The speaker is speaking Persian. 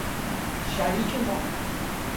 شریک مال